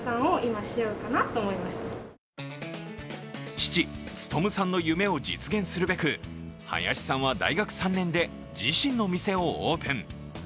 父・勉さんの夢を実現するべく、林さんは大学３年で自身の店をオープン。